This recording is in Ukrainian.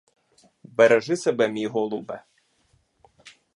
Бережи себе, мій голубе!